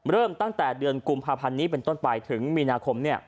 เริ่มตั้งแต่เดือนกุมภาพันธ์นี้เป็นต้นไปถึงมีนาคม